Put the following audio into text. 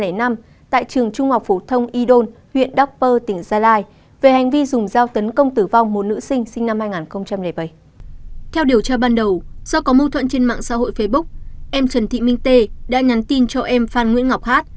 do có mâu thuẫn trên mạng xã hội facebook em trần thị minh tê đã nhắn tin cho em phan nguyễn ngọc hát